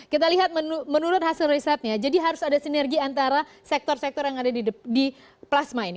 kita lihat menurut hasil risetnya jadi harus ada sinergi antara sektor sektor yang ada di plasma ini